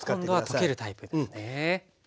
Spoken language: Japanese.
今度は溶けるタイプですね。